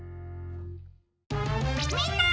みんな！